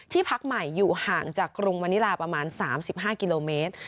พักใหม่อยู่ห่างจากกรุงมณิลาประมาณ๓๕กิโลเมตร